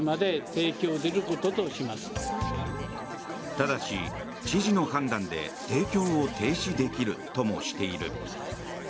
ただし、知事の判断で提供を停止できるともしている。